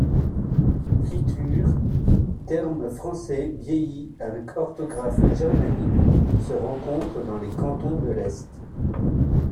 Fritüre, terme français vieilli avec orthographe germanique, se rencontre dans les Cantons de l'Est.